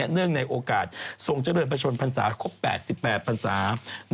เนื่องในโอกาสทรงเจริญประชนพรรษาครบ๘๘พันศา